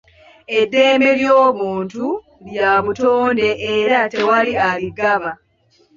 Eddembe ly'obuntu lya butonde era tewali aligaba.